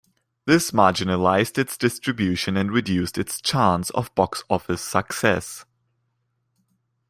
This marginalized its distribution and reduced its chance of box-office success.